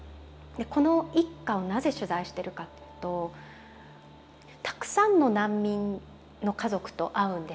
この一家をなぜ取材してるかというとたくさんの難民の家族と会うんです。